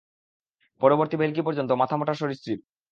পরবর্তী ভেলকি পর্যন্ত, মাথামোটা সরীসৃপ।